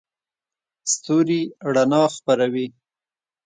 ستوري رڼا خپروي.